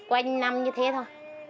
quanh năm như thế thôi